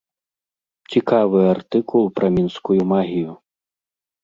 Цікавы артыкул пра мінскую магію.